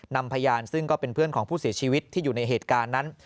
นำพยานซึ่งก็เป็นเพื่อนของผู้เสียชีวิตที่อยู่ในเหตุการณ์นั้น